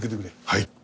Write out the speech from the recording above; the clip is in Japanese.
はい。